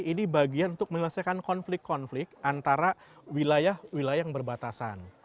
ini bagian untuk menyelesaikan konflik konflik antara wilayah wilayah yang berbatasan